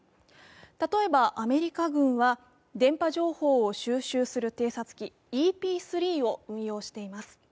例えばアメリカ軍は電波情報を収集する偵察機ＥＰ−３を運用しています。